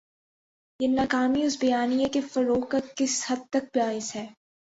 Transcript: یہ ناکامی اس بیانیے کے فروغ کا کس حد تک باعث ہے؟